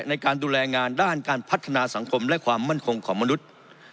ในการดูแลงานด้านการพัฒนาสังคมและความมั่นคงของมนุษย์